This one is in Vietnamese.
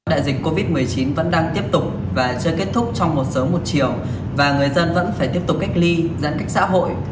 đại dịch covid một mươi chín vẫn đang tiếp tục và chưa kết thúc trong một sớm một chiều và người dân vẫn phải tiếp tục cách ly giãn cách xã hội